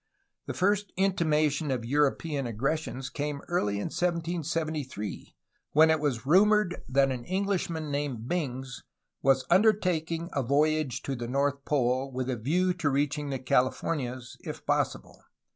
The first intimation of European aggressions came early in 1773, when it was rumored that an Englishman named Bings was undertaking a voyage to the North Pole, with a view to reaching the Californias if possible.